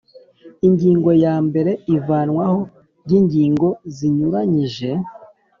Ingingo ya mbere Ivanwaho ry ingingo zinyuranyije